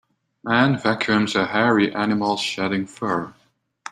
Man vacuums a hairy animals shedding fur.